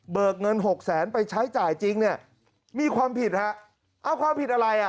เบิกเงิน๖๐๐๐๐๐บาทไปใช้จ่ายจริงเนี่ยมีความผิดครับ